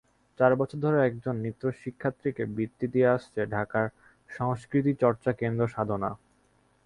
চার বছর ধরে একজন নৃত্যশিক্ষার্থীকে বৃত্তি দিয়ে আসছে ঢাকার সংস্কৃতিচর্চা কেন্দ্র সাধনা।